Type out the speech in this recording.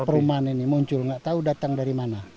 perumahan ini muncul nggak tahu datang dari mana